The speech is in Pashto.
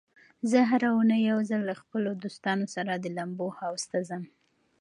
زه هره اونۍ یو ځل له خپلو دوستانو سره د لامبو حوض ته ځم.